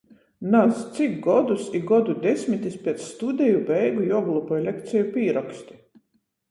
Naz, cik godus i godu desmitis piec studeju beigu juogloboj lekceju pīroksti?